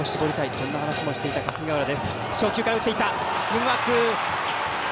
そんな話もしていた霞ヶ浦。